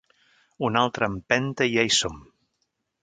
Una altra empenta i ja hi som!